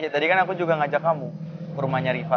yeah tadi kan aku juga ngajaknya kamu ke rumahnya wrifa